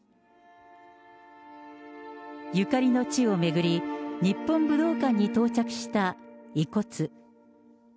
ゆかりの地を巡り、日本武道館に到着した遺骨。